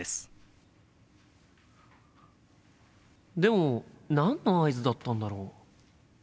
心の声でも何の合図だったんだろう？